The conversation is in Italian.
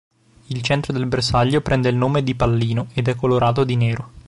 Il centro del bersaglio prende il nome di "pallino" ed è colorato di nero.